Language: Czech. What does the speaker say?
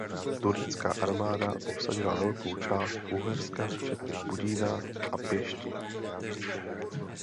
Turecká armáda obsadila velkou část Uherska včetně Budína a Pešti.